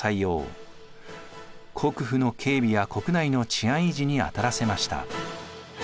国府の警備や国内の治安維持に当たらせました。